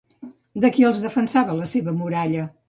De qui els defensava la seva muralla?